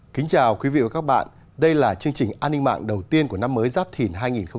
kính chào quý vị và các bạn đây là chương trình an ninh mạng đầu tiên của năm mới giáp thìn hai nghìn hai mươi bốn